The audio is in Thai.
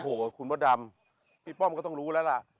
โอ้โหคุณมดดำพี่ป้อมก็ต้องรู้แล้วล่ะ